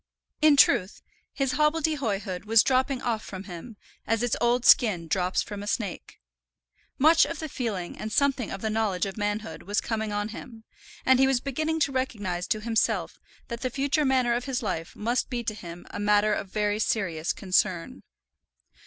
In truth his hobbledehoyhood was dropping off from him, as its old skin drops from a snake. Much of the feeling and something of the knowledge of manhood was coming on him, and he was beginning to recognize to himself that the future manner of his life must be to him a matter of very serious concern.